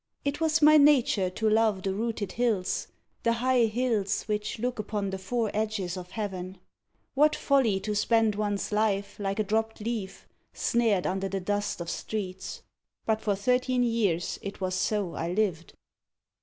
It was my nature to love the rooted hills, The high hills which look upon the four edges of Heaven. What folly to spend one's life like a dropped leaf Snared under the dust of streets, But for thirteen years it was so I lived.